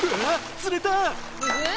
釣れた！